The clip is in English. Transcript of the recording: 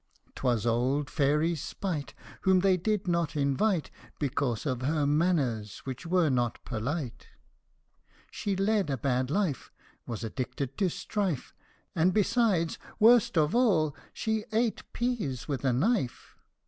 " 'Twas old Fairy Spite, Whom they did not invite, Because of her manners, which were not polite. She led a bad life, Was addicted to strife, And besides worst of all she ate peas with a knife